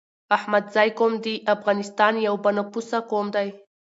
احمدزی قوم دي افغانستان يو با نفوسه قوم دی